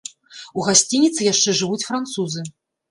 У гасцініцы яшчэ жывуць французы.